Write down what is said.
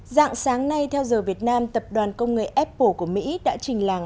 dạng sáng nay theo giờ việt nam tập đoàn công nghệ apple của mỹ đã trình làng